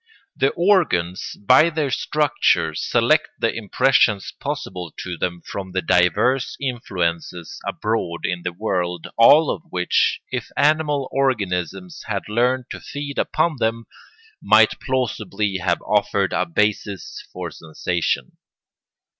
The organs, by their structure, select the impressions possible to them from the divers influences abroad in the world, all of which, if animal organisms had learned to feed upon them, might plausibly have offered a basis for sensation.